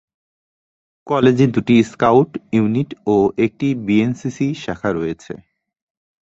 কলেজে দুটি scout unit ও একটি বিএনসিসি শাখা রয়েছে।